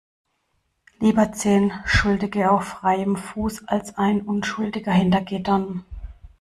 Lieber zehn Schuldige auf freiem Fuß als ein Unschuldiger hinter Gittern.